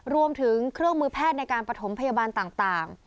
รวมถึงเครื่องมือแพทย์ในการประถมพยาบาลต่าง